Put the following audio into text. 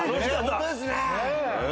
ホントですね。